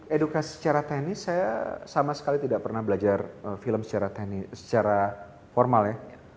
edukasi secara teknis saya sama sekali tidak pernah belajar film secara formal ya